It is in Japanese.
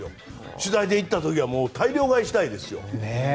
取材で行った時は大量買いしたいですよ。